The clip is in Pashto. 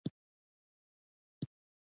نان بایی مو له کوره څومره لری ده؟